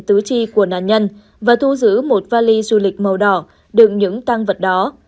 tứ chi của nạn nhân và thu giữ một vali du lịch màu đỏ đựng những tăng vật đó